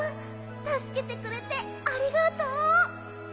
たすけてくれてありがとう！